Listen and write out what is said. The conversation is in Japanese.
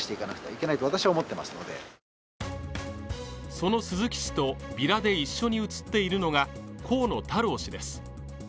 その鈴木氏とビラで一緒に写っているのが河野太郎氏です。